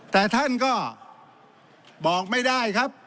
แต่ท่านก็บอกไม่ได้ครับ